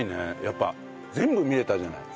やっぱ全部見れたじゃない。